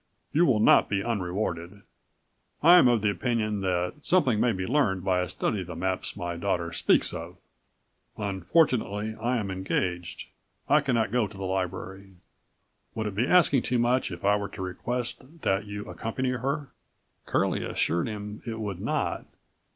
You will not be unrewarded. I am of the opinion that something may be learned by a study of the maps my daughter speaks of. Unfortunately I am engaged; I99 cannot go to the library. Would it be asking too much were I to request that you accompany her?" Curlie assured him it would not.